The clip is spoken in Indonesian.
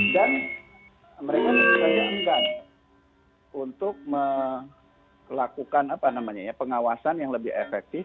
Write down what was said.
dan mereka juga menganggap untuk melakukan pengawasan yang lebih efektif